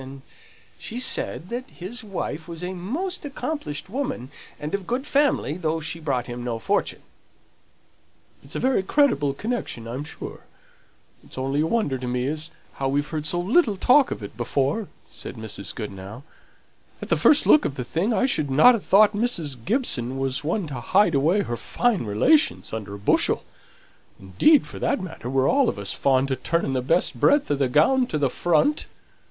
And she said that his wife was a most accomplished woman, and of good family, though she brought him no fortune." "It's a very creditable connection, I'm sure; it's only a wonder to me as how we've heard so little talk of it before," said Mrs. Goodenough. "At the first look of the thing, I shouldn't ha' thought Mrs. Gibson was one to hide away her fine relations under a bushel; indeed, for that matter, we're all of us fond o' turning the best breadth o' the gown to the front.